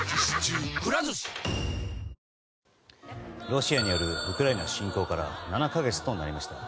ロシアによるウクライナ侵攻から７か月となりました。